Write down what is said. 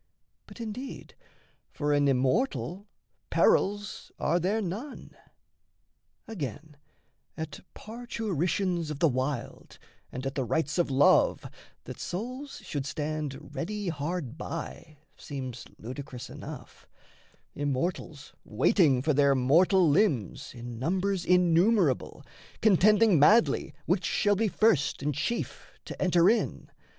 But indeed For an immortal perils are there none. Again, at parturitions of the wild And at the rites of Love, that souls should stand Ready hard by seems ludicrous enough Immortals waiting for their mortal limbs In numbers innumerable, contending madly Which shall be first and chief to enter in!